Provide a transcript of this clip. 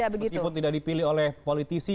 meskipun tidak dipilih oleh politisi